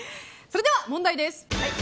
それでは、問題です。